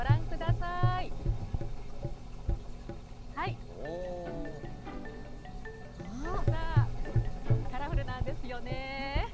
さあ、カラフルなんですよね。